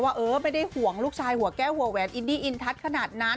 เออไม่ได้ห่วงลูกชายหัวแก้วหัวแหวนอินดี้อินทัศน์ขนาดนั้น